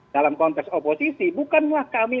dalam konteks oposisi bukanlah kami